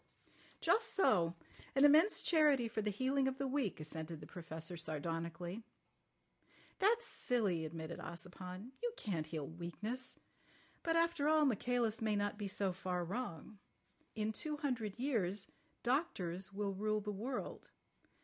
"Just so. An immense charity for the healing of the weak," assented the Professor sardonically. "That's silly," admitted Ossipon. "You can't heal weakness. But after all Michaelis may not be so far wrong. In two hundred years doctors will rule the world.